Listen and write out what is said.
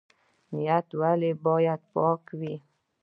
نیت ولې باید پاک وي؟